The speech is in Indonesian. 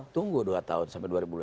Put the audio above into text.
tunggu dua tahun sampai dua ribu dua puluh